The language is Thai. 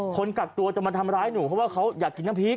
คนกักตัวจะมาทำร้ายหนูเพราะว่าเขาอยากกินน้ำพริก